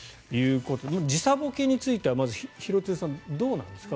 時差ぼけについては廣津留さんどうなんですか？